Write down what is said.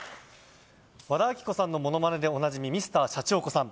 和田アキ子さんのモノマネでおなじみＭｒ．シャチホコさん。